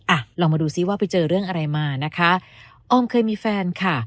อ่ะลองมาดูซิว่าไปเจอเรื่องอะไรมานะคะออมเคยมีแฟนค่ะ